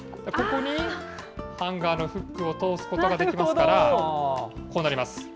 ここにハンガーのフックを通すことができますから、こうなります。